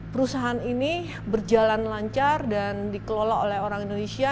perusahaan ini berjalan lancar dan dikelola oleh orang indonesia